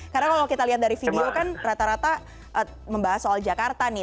karena kalau kita lihat dari video kan rata rata membahas soal jakarta nih